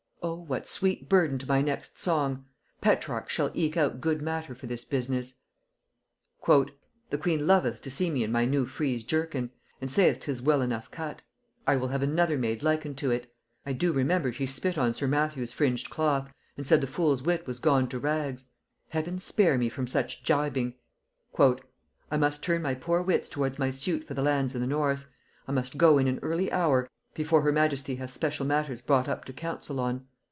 O! what sweet burden to my next song. Petrarch shall eke out good matter for this business." "The queen loveth to see me in my new frize jerkin, and saith 'tis well enough cut. I will have another made liken to it. I do remember she spit on sir Matthew's fringed cloth, and said the fool's wit was gone to rags. Heaven spare me from such jibing!" "I must turn my poor wits towards my suit for the lands in the north.... I must go in an early hour, be fore her highness hath special matters brought up to counsel on.